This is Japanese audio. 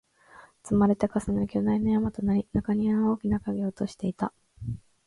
積まれて、重なり、巨大な山となり、中庭に大きな影を落としていた